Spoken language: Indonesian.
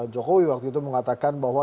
jokowi waktu itu mengatakan bahwa